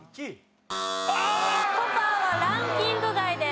ソファはランキング外です。